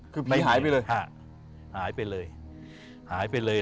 คือหายไปเลยค่ะหายไปเลยหายไปเลย